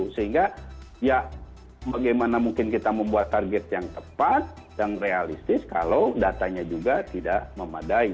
sehingga ya bagaimana mungkin kita membuat target yang tepat dan realistis kalau datanya juga tidak memadai